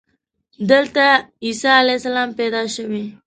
دلته عیسی علیه السلام پیدا شوی.